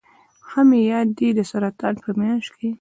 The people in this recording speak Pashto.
ښه مې یاد دي د سرطان په میاشت کې.